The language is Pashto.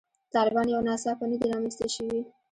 طالبان یو ناڅاپه نه دي رامنځته شوي.